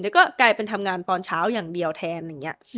ก็กลายเป็นทำงานตอนเช้าอย่างเดียวแทนอย่างนี้